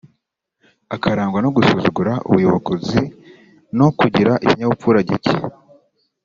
akarangwa no gusuzugura ubuyobokzi no kugira ikinyabupfura gike